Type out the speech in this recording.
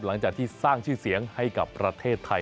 หลังจากที่สร้างชื่อเสียงให้กับประเทศไทย